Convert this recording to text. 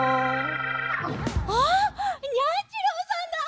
あっニャンちろうさんだ！